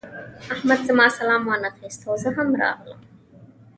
احمد زما سلام وانخيست او زه هم راغلم.